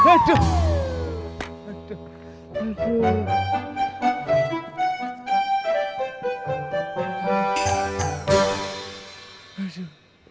aduh ya allah kesti